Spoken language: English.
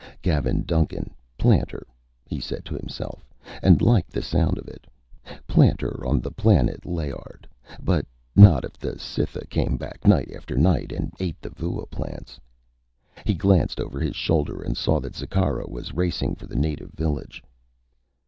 Gavin Duncan, planter, he said to himself, and liked the sound of it. Planter on the planet Layard. But not if the Cytha came back night after night and ate the vua plants. He glanced over his shoulder and saw that Zikkara was racing for the native village.